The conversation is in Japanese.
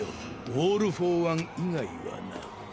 オール・フォー・ワン以外はな。